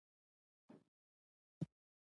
تورپيکۍ تېزه پسې روانه وه.